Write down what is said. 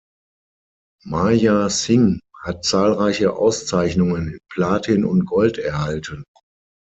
Maya Singh hat zahlreiche Auszeichnungen in Platin und Gold erhalten.